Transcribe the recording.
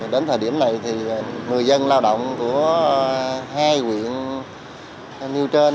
đến thời điểm này thì người dân lao động của hai quyện nêu trên